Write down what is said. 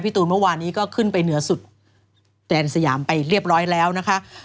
ตูนเมื่อวานนี้ก็ขึ้นไปเหนือสุดแดนสยามไปเรียบร้อยแล้วนะคะ